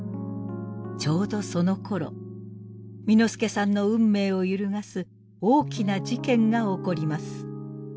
ちょうどそのころ簑助さんの運命を揺るがす大きな事件が起こります。